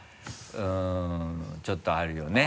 うんちょっとあるよね。